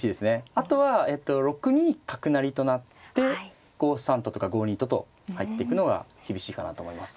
あとは６二角成と成って５三ととか５二とと入っていくのが厳しいかなと思います。